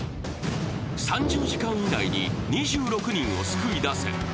３０時間以内に２６人を救い出せ。